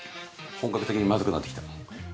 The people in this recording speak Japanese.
本格的にまずくなってきた。